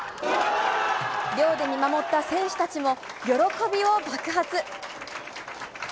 寮で見守った選手たちも、喜びを爆発。